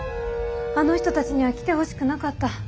あの人たちには来てほしくなかった。